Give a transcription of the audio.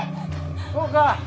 ・そうか。